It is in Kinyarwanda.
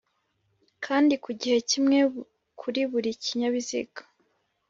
kandi ku gihe kimwe kuri buri kinyabiziga